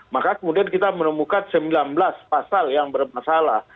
maka kemudian kita menemukan sembilan belas pasal yang bermasalah